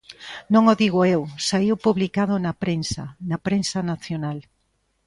Non o digo eu, saíu publicado na prensa, na prensa nacional.